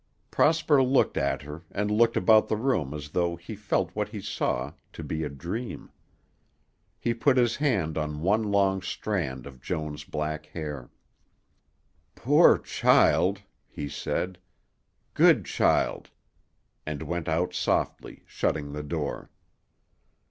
Prosper looked at her and looked about the room as though he felt what he saw to be a dream. He put his hand on one long strand of Joan's black hair. "Poor child!" he said. "Good child!" And went out softly, shutting the door.